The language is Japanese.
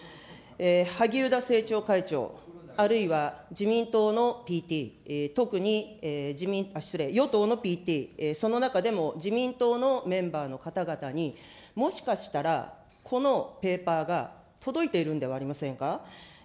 萩生田政調会長、あるいは自民党のＰＴ、特に、与党のＰＴ、その中でも自民党のメンバーの方々に、もしかしたら、このペーパーが届いているんではありませんか。